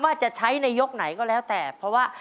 ว่าจะใช้ในยกไหนก็แล้วแต่เพราะว่า